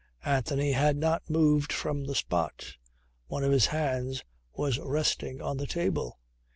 Anthony had not moved from the spot. One of his hands was resting on the table.